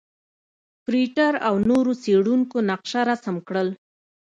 فرېټر او نورو څېړونکو نقشه رسم کړل.